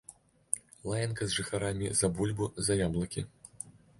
Лаянка з жыхарамі за бульбу, за яблыкі.